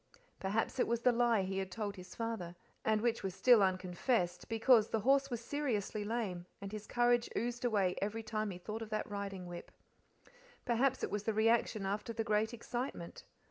Perhaps it was the lie he had told his father, and which was still unconfessed, because the horse was seriously lame, and his courage oozed away every time he thought of that riding whip. Perhaps it was the reaction after the great excitement.